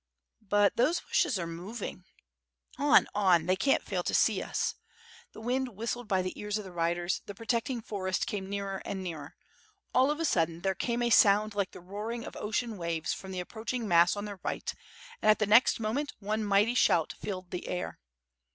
*' "But those bushes are moving." "On, on, they can't fail to see us." The wind whistled by the ears of the riders, the protecting forest came nearer and nearer. All of a sudden there came a sound like the roaring of ocean waves from the approaching mass on their right, and at the next moment, one mighty shout filled the air.